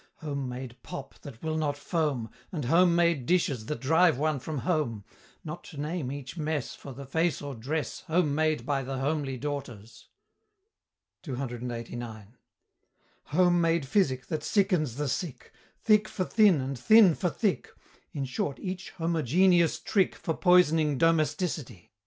Home made pop that will not foam, And home made dishes that drive one from home, Not to name each mess, For the face or dress, Home made by the homely daughters? CCLXXXIX. Home made physic that sickens the sick; Thick for thin and thin for thick; In short each homogeneous trick For poisoning domesticity?